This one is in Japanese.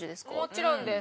もちろんです。